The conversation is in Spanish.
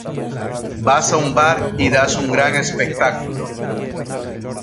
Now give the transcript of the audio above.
Vas a un bar y das un gran espectáculo.